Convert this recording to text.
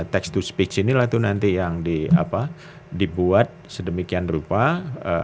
text to speech inilah itu nanti yang dibuat sedemikian rupa